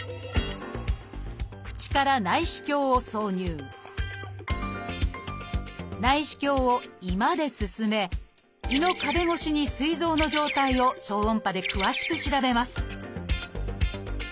口から内視鏡を挿入内視鏡を胃まで進め胃の壁越しにすい臓の状態を超音波で詳しく調べます